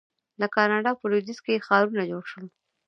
د کاناډا په لویدیځ کې ښارونه جوړ شول.